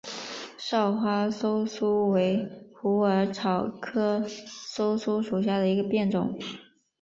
少花溲疏为虎耳草科溲疏属下的一个变种。